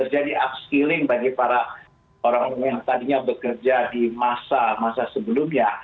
jadi upskilling bagi para orang yang tadinya bekerja di masa masa sebelumnya